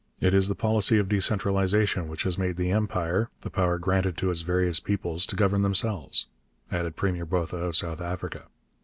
It is the policy of decentralization which has made the Empire the power granted to its various peoples to govern themselves,' added Premier Botha of South Africa.